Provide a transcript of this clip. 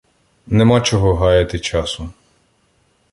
Нема чого гаяти часу.